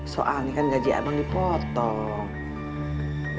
soalnya kan gaji abang dipotong